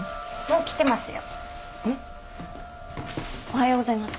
おはようございます。